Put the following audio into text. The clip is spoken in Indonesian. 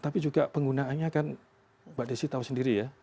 tapi juga penggunaannya kan mbak desi tahu sendiri ya